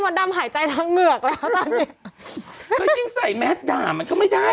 มันลักษณะหากจับของเฉยเฉย